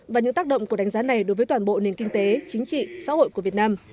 và những tác động của đánh giá này đối với toàn bộ nền kinh tế chính trị xã hội của việt nam